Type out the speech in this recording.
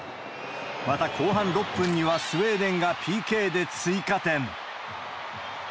また、後半６分にはスウェーデンがＰＫで追加点。